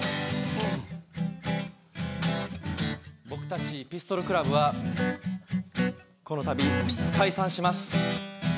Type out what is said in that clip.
僕たちピストルクラブはこのたび解散します。